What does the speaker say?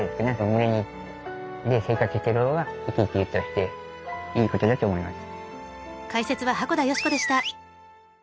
群れで生活してる方が生き生きとしていいことだと思います。